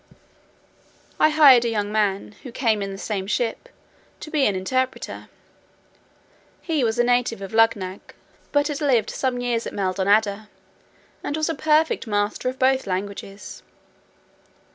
I hired a young man, who came in the same ship, to be an interpreter; he was a native of Luggnagg, but had lived some years at Maldonada, and was a perfect master of both languages.